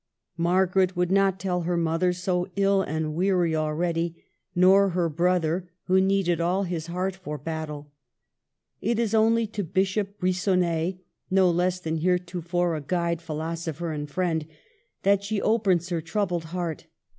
Mar garet would not tell her mother, so ill and weary already, nor her brother, who needed all his heart for battle. It is only to Bishop Bri^onnet (no less than heretofore a guide, philosopher, and friend) that she opens her troubled heart.